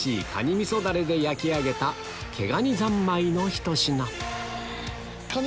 みそダレで焼き上げた毛ガニ三昧のひと品カニ